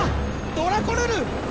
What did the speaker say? ドラコルル！